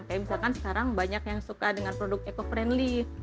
kayak misalkan sekarang banyak yang suka dengan produk eco friendly